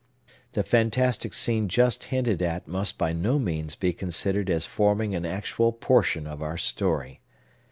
The fantastic scene just hinted at must by no means be considered as forming an actual portion of our story.